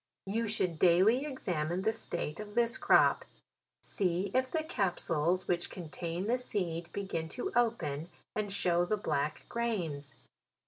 You should daily examine the state of this crop ; see if the capsules which contain the seed, begin to open, and show the black grains.